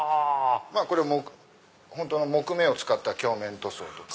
これ本当の木目を使った鏡面塗装とか。